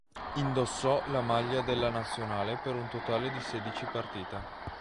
Indossò la maglia della nazionale per un totale di sedici partite.